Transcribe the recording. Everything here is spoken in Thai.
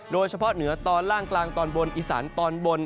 โดยเฉพาะเหนือตอนล่างกลางตอนบนอีสานตอนบน